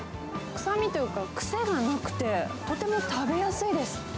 臭みというか、癖がなくて、とても食べやすいです。